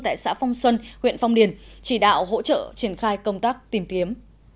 tại xã phong xuân huyện phong điền chỉ đạo hỗ trợ triển khai công tác tìm kiếm